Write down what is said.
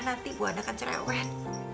nanti bu hana akan cerewet